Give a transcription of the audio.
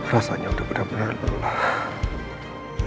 rasanya udah benar benar terulang